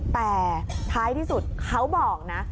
แต่ท้ายที่สุดเขาบอกนะ